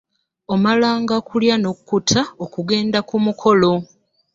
Omalanga kulya n'okkuta okugenda ku mukolo.